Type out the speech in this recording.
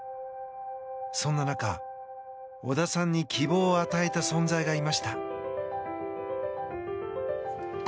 そんな中、小田さんに希望を与えた存在がいました。